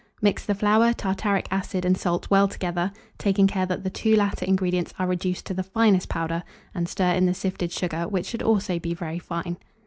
Mix the flour, tartaric acid, and salt well together, taking care that the two latter ingredients are reduced to the finest powder, and stir in the sifted sugar, which should also be very fine.